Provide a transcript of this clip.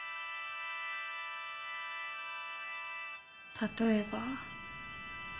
例えば。